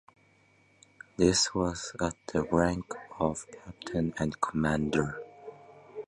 This was at the rank of Captain and Commander.